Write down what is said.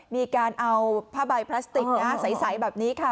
มีการเอาผ้าใบพลาสติกใสแบบนี้ค่ะ